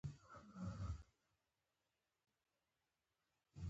کور د ټولو لپاره ارزښت لري.